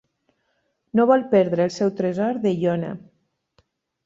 No vol perdre el seu tresor de lona.